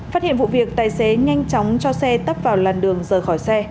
phát hiện vụ việc tài xế nhanh chóng cho xe tấp vào làn đường rời khỏi xe